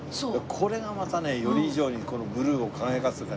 これがまたねより以上にこのブルーを輝かせてるんだよね。